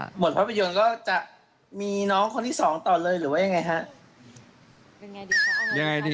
หมดภาพยนตร์ก็จะมีน้องคนที่สองต่อเลยหรือว่าอย่างไรคะ